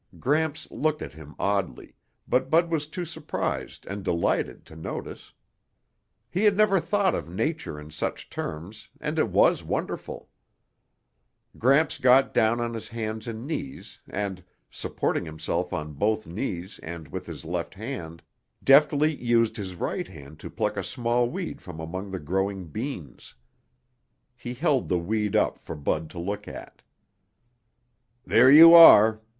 Gramps looked at him oddly, but Bud was too surprised and delighted to notice. He had never thought of nature in such terms and it was wonderful. Gramps got down on his hands and knees and, supporting himself on both knees and with his left hand, deftly used his right hand to pluck a small weed from among the growing beans. He held the weed up for Bud to look at. "There you are.